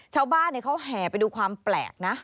ชาวบ้านเขาแห่ไปดูความแปลกนะ